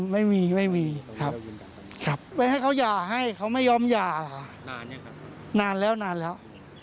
ไม่มีไม่มีครับไม่ให้เขาหย่าให้เขาไม่ยอมหย่านานยังนานแล้วนานแล้ว